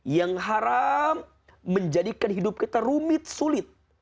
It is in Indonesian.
yang haram menjadikan hidup kita rumit sulit